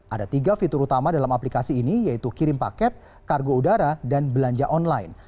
ada tiga fitur utama dalam aplikasi ini yaitu kirim paket kargo udara dan belanja online